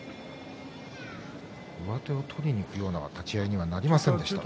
上手を取りにいくような立ち合いにはなりませんでした。